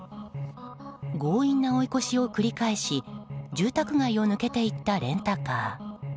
強引な追い越しを繰り返し住宅街を抜けていったレンタカー。